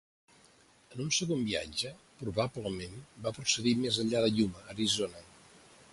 En un segon viatge, probablement va procedir més enllà de Yuma, Arizona.